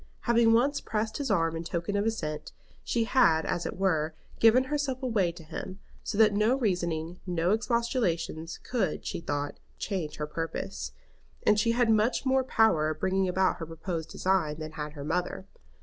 Having once pressed his arm in token of assent, she had as it were given herself away to him, so that no reasoning, no expostulations could, she thought, change her purpose; and she had much more power of bringing about her purposed design than had her mother.